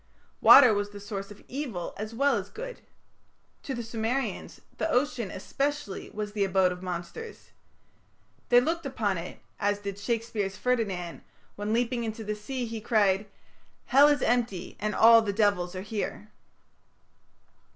Water was the source of evil as well as good. To the Sumerians, the ocean especially was the abode of monsters. They looked upon it as did Shakespeare's Ferdinand, when, leaping into the sea, he cried: "Hell is empty and all the devils are here".